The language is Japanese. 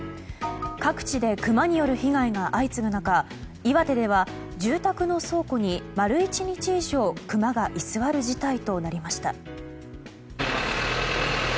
各地でクマによる被害が相次ぐ中岩手では住宅の倉庫に丸１日以上クマが居座る事態となりました。